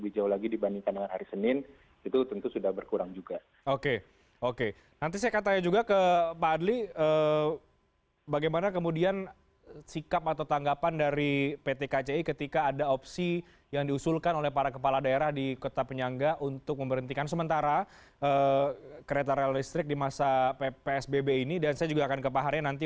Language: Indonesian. jadi seperti jam operasional itu juga sudah lebih pendek dari sebelumnya